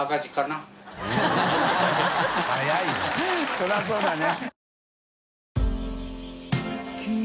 そりゃそうだね。